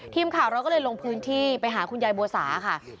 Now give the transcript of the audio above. ทีมข่าวเราก็เลยลงพื้นที่ไปหาคุณยายบัวสาค่ะ